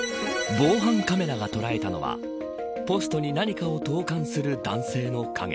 防犯カメラが捉えたのはポストに何かを投函する男性の影。